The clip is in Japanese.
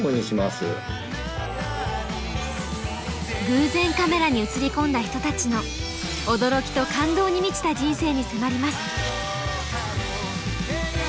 偶然カメラに映り込んだ人たちの驚きと感動に満ちた人生に迫ります。